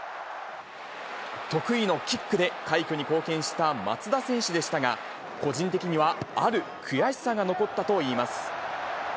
得意のキックで、快挙に貢献した松田選手でしたが、個人的にはある悔しさが残ったといいます。